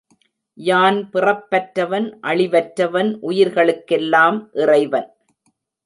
யான் பிறப்பற்றவன், அழிவற்றவன், உயிர்களுக்கெல்லாம் இறைவன்.